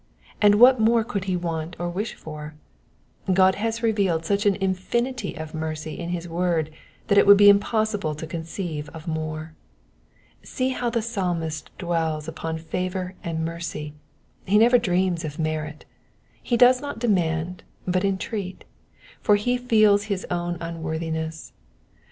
And what more could he want or wish for? God has revealed such an infinity of mercy in his word that it would be impossible to conceive of more. See how the Psalmist dwells (Upon favour and mercy, he never dreams of merit He does not demand, but entreat ; for he feels his own imworthiness.